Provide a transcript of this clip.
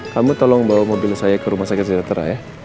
kamu tolong bawa mobil saya ke rumah sakit sejahtera ya